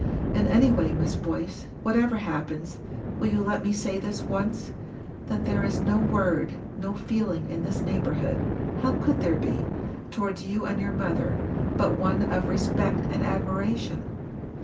And any way, Miss Boyce, whatever happens, will you let me say this once, that there is no word, no feeling in this neighbourhood how could there be? towards you and your mother, but one of respect and admiration?